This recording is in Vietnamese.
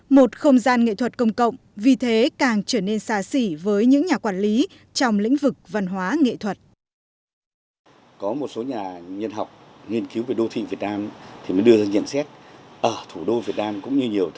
một không gian nghệ thuật công cộng vì thế càng trở nên xa xỉ với những nhà quản lý trong lĩnh vực văn hóa nghệ thuật